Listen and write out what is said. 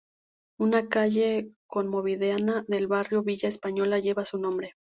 Una calle montevideana del barrio Villa Española lleva su nombre.